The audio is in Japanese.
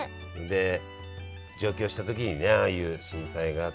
で上京した時にねああいう震災があって。